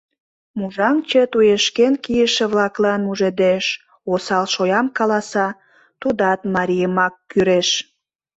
Мужаҥче туешкен кийыше-влаклан мужедеш, осал шоям каласа, тудат марийымак кӱреш.